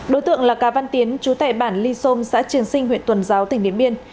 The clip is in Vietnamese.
đối tượng là cá văn tiến chú tại bản ly xôn xã trường sinh huyện tuần giáo tỉnh điện biên